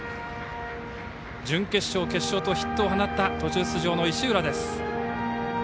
準決勝、決勝とヒットを放った途中出場の石浦です。